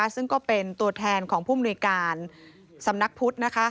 ซึ่งก็เป็นตัวแทนของผู้มนุยการสำนักพุทธ